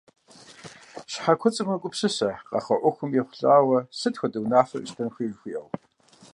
Щхьэ куцӀыр мэгупсысэ, къэхъуа Ӏуэхухэм ехъулӀэу сыт хуэдэ унафэ къэщтэн хуей жыхуиӀэу.